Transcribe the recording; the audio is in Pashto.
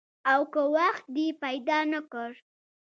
او که وخت دې پیدا نه کړ؟